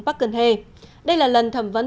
park geun hye đây là lần thẩm vấn